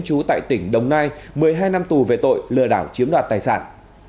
trú tại tỉnh đồng nai một mươi hai năm tù về tội lừa đảo chiếm đoạt tài sản